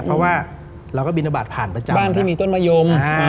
เพราะว่าเราก็บินทบาทผ่านประจำบ้านที่มีต้นมะยม